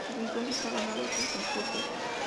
Desde entonces ha ganado otros concursos.